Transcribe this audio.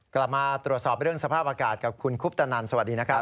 กลับมาตรวจสอบเรื่องสภาพอากาศกับคุณคุปตนันสวัสดีนะครับ